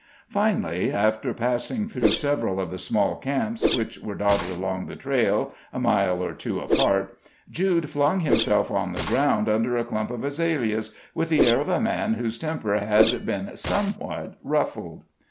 Finally, after passing through several of the small camps, which were dotted along the trail, a mile or two apart, Jude flung himself on the ground under a clump of azaleas, with the air of a man whose temper had been somewhat ruffled.